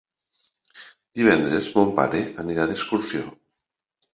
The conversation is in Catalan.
Divendres mon pare irà d'excursió.